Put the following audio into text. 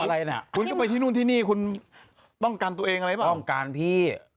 อะไรน่ะคุณก็ไปที่นู่นที่นี่คุณป้องกันตัวเองอะไรป่ะต้องการพี่